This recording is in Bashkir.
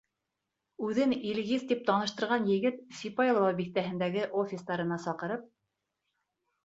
Үҙен Илгиз тип таныштырған егет Сипайлово биҫтәһендәге офистарына саҡырып: